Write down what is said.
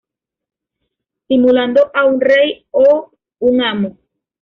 Simulando a un rey o un "amo".